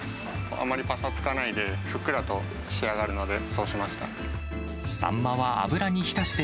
あんまりぱさつかないで、ふっくらと仕上がるので、そうしました。